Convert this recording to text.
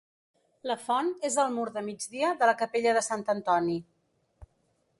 La font és al mur de migdia de la capella de Sant Antoni.